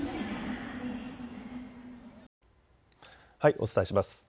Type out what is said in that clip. お伝えします。